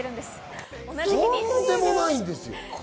とんでもないです。